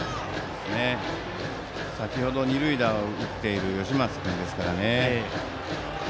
先ほど２塁打も打っている吉松君ですからね。